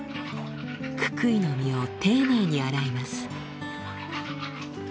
ククイの実を丁寧に洗います。